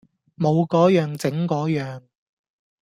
冇個樣整個樣